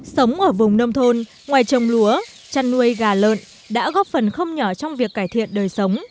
sống ở vùng nông thôn ngoài trồng lúa chăn nuôi gà lợn đã góp phần không nhỏ trong việc cải thiện đời sống